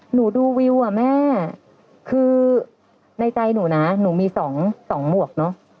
หนูดูวิวอ่ะแม่คือในใจหนูนะหนูมี๒หมวกเนอะ